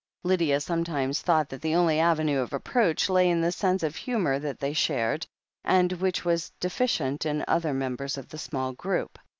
Lydia sometimes thought that the only avenue of approach lay in the sense of humour that they shared, and which was deficient in the other members of the small group.